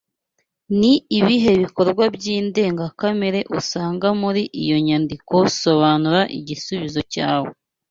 Ni ibihe bikorwa by’indengakamere usanga muri iyo myandiko Sobanura igisubizo cyawe